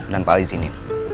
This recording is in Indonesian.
dan pak ali di sini